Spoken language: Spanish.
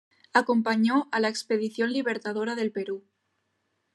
Acompañó a la Expedición Libertadora del Perú.